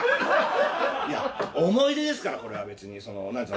いや思い出ですからこれは別に。